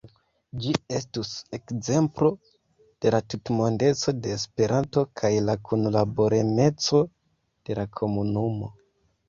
Ĝi estus ekzemplo de la tutmondeco de Esperanto kaj la kunlaboremeco de la komunumo.